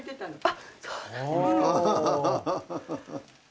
あっそうなんですか？